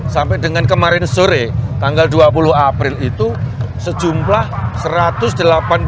sampai dengan kemarin sore tanggal dua puluh april itu sejumlah satu ratus delapan puluh sembilan lima ratus lima puluh orang